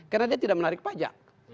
karena dia tidak menarik pajak